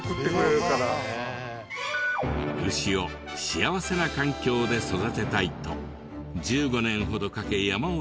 牛を幸せな環境で育てたいと１５年ほどかけ山を切り開き牧場に。